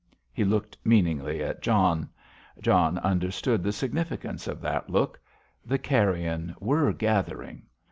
He looked meaningly at John. John understood the significance of that look. The carrion were gathering.